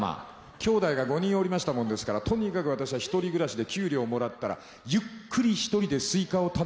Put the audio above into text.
きょうだいが５人おりましたもんですからとにかく私は１人暮らしで給料もらったらゆっくり一人でスイカを食べるのが夢だったんですわ。